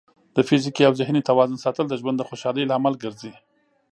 د فزیکي او ذهني توازن ساتل د ژوند د خوشحالۍ لامل ګرځي.